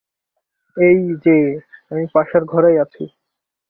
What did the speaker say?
এই-যে, আমি পাশের ঘরেই আছি।